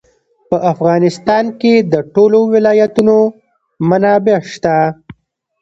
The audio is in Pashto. په افغانستان کې د ټولو ولایتونو منابع شته.